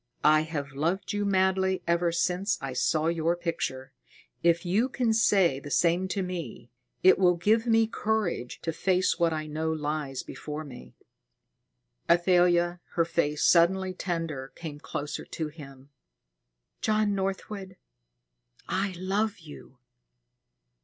I have loved you madly ever since I saw your picture. If you can say the same to me, it will give me courage to face what I know lies before me." Athalia, her face suddenly tender, came closer to him. "John Northwood, I love you."